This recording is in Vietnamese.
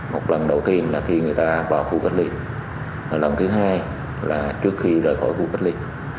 một lần đầu tiên là khi người ta vào khu cách ly lần thứ hai là trước khi rời khỏi khu cách ly